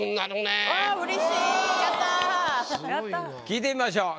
聞いてみましょう。